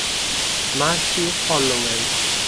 Murphy Holloway